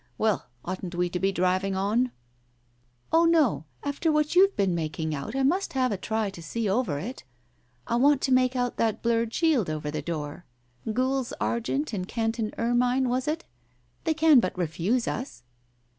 Well, oughtn't we to be driving on?" "Oh, no. After what you've been making out, I must have a try to see over it. I want to make out that blurred shield over the door. Gules argent and canton ermine, was it ? They can but refuse us."